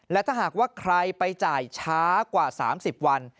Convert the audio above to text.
และถ้าหากว่าใครไปจ่ายช้ากว่า๓๐วัน